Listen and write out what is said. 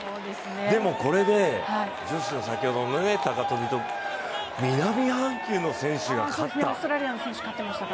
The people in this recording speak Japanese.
でも、これで女子も先ほど南半球の選手が勝った。